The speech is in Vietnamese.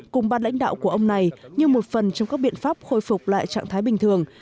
cùng ban lãnh đạo của ông này như một phần trong các biện pháp khôi phục lại trạng thái bình thường